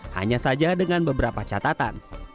hanya saja dengan beberapa catatan